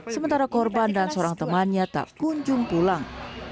sementara korban dan seorang temannya tak kunjung pulang